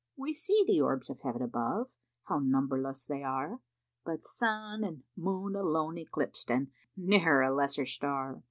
We see the orbs of heav'n above, how numberless they are, But sun and moon alone eclips'd, and ne'er a lesser star!